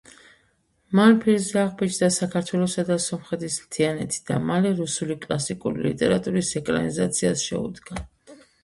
მან ფირზე აღბეჭდა საქართველოსა და სომხეთის მთიანეთი და მალე რუსული კლასიკური ლიტერატურის ეკრანიზაციას შეუდგა.